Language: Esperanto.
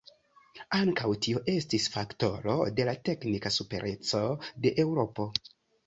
Ankaŭ tio estis faktoro de la teknika supereco de Eŭropo.